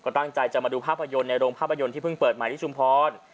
ก็ตั้งใจจะมาดูภาพยนตร์ในโรงภาพยนตร์ที่เพิ่งเปิดใหม่ที่ชุมพร